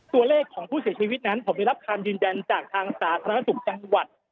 ตัวเลขของผู้เสียชีวิตนั้นผมได้รับคำยืนยันจากทางสาธารณสุขจังหวัด